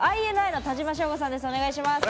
ＩＮＩの田島将吾さんです。